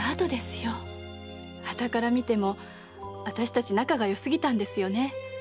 はたから見てもあたしたち仲がよすぎたんですよね。